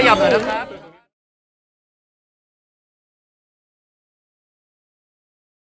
ขอบคุณมากขอบคุณค่ะ